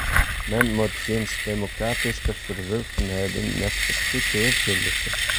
Men moat jins demokratyske ferwurvenheden net fertutearzje litte.